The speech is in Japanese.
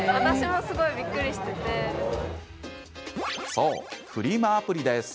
そう、フリマアプリです。